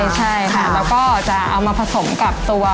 ใช่ต้องคั่วจนกว่าจะสุก